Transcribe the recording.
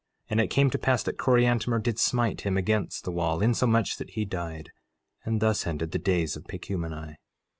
And it came to pass that Coriantumr did smite him against the wall, insomuch that he died. And thus ended the days of Pacumeni.